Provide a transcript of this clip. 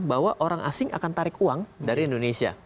bahwa orang asing akan tarik uang dari indonesia